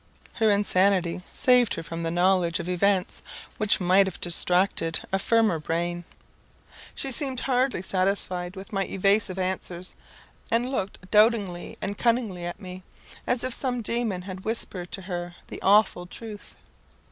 Her insanity saved her from the knowledge of events, which might have distracted a firmer brain. She seemed hardly satisfied with my evasive answers, and looked doubtingly and cunningly at me, as if some demon had whispered to her the awful truth.